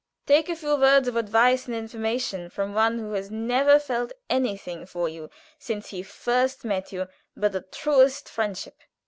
"Take a few words of advice and information from one who has never felt anything for you since he first met you but the truest friendship.